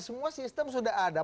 semua sistem sudah ada